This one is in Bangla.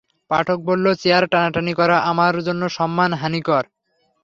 পাঠক বলল, চেয়ার টানাটানি করা আমার জন্যে সম্মান হানিকর।